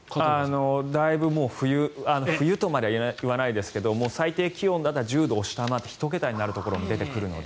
だいぶもう冬とまではいわないですが最低気温だったら１０度を下回って１桁になるところも出てくるので。